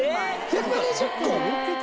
１２０個？